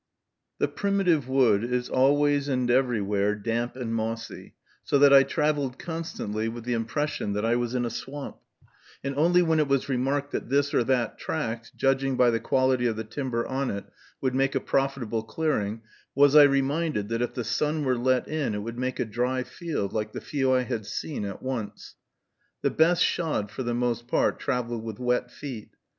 The primitive wood is always and everywhere damp and mossy, so that I traveled constantly with the impression that I was in a swamp; and only when it was remarked that this or that tract, judging from the quality of the timber on it, would make a profitable clearing, was I reminded, that if the sun were let in it would make a dry field, like the few I had seen, at once. The best shod for the most part travel with wet feet.